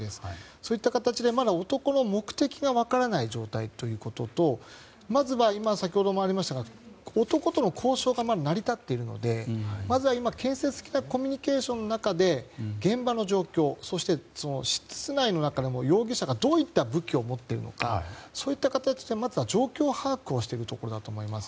そういった形でまだ男の目的が分からない状態ということとまずは先ほどもありましたが男との交渉がまだ成り立っているのでまずは今、建設的なコミュニケーションの中で現場の状況、そして室内の中で容疑者がどういった武器を持っているのかそういった形でまずは状況把握をしているところだと思います。